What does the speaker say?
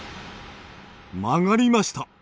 曲がりました。